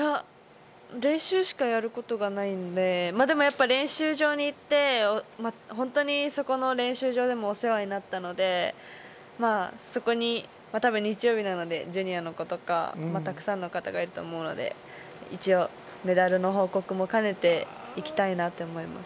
練習しかやることがないので、練習場に行って、そこの練習場でも、お世話になったので、そこに日曜日なのでジュニアの子とか、たくさんの方がいると思うので、一応、メダルの報告も兼ねていきたいなって思います。